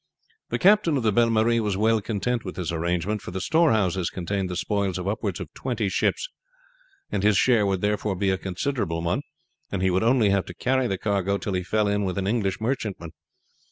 The captain of the Belle Marie was well content with this arrangement, for the storehouses contained the spoils of upward of twenty ships, and his share would therefore be a considerable one, and he would only have to carry the cargo till he fell in with an English merchantman.